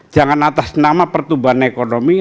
jangan atas nama pertumbuhan ekonomi